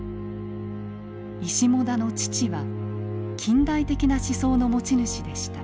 石母田の父は「近代的」な思想の持ち主でした。